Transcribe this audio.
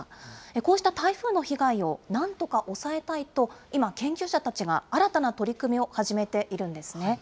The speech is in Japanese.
こうした台風の被害をなんとか抑えたいと、今、研究者たちが新たな取り組みを始めているんですね。